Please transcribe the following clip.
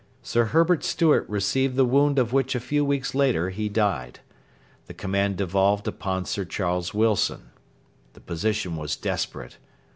Sir Herbert Stewart received the wound of which a few weeks later he died. The command devolved upon Sir Charles Wilson. The position was desperate.